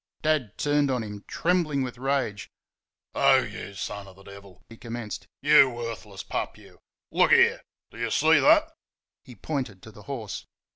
Dad turned on him, trembling with rage. "Oh, YOU son of the Devil!" he commenced. "YOU worthless pup, you! Look there! Do you see that?" (He pointed to the horse.)